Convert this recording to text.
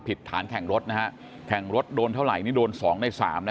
ผิดฐานแข่งรถนะฮะแข่งรถโดนเท่าไหร่นี่โดน๒ใน๓นะ